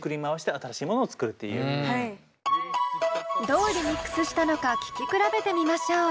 どうリミックスしたのか聴き比べてみましょう。